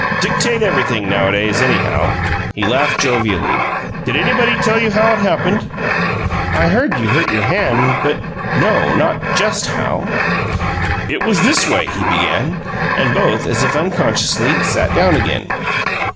Dictate everything nowadays, anyhow." He laughed jovially. "Did anybody tell you how it happened?" "I heard you hurt your hand, but no not just how." "It was this way," he began, and both, as if unconsciously, sat down again.